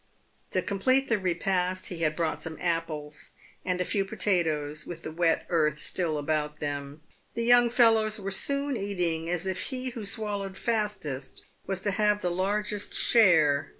To complete the repast, he had brought some apples and a few potatoes, with the wet earth still about them. The young fellows were soon eating as if he who swallowed fastest was to have the largest share.